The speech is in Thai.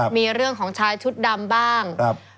มีเรื่องของชายชุดดำบ้าง